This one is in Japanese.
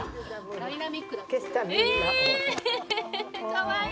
かわいい！